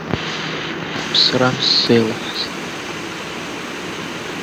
Ԥсрам сзеилаҳаз.